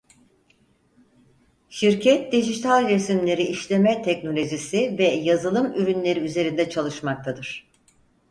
Şirket dijital resimleri işleme teknolojisi ve yazılım ürünleri üzerinde çalışmaktadır.